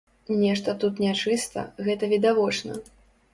Нешта тут нячыста, гэта відавочна.